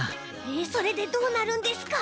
えそれでどうなるんですか？